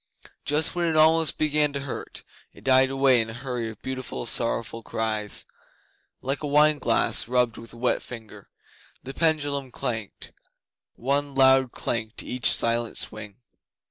Just when it almost began to hurt, it died away in a hurry of beautiful sorrowful cries, like a wine glass rubbed with a wet finger. The pendulum clanked one loud clank to each silent swing.